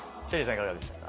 いかがでしたか？